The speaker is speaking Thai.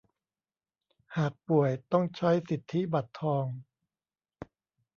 หากป่วยต้องใช้สิทธิบัตรทอง